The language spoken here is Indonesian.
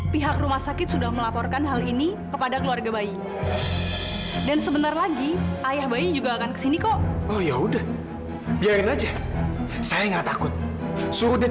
papi ke kamar dulu ya